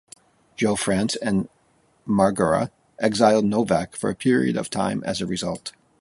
Joe Frantz and Margera exiled Novak for a period of time as a result.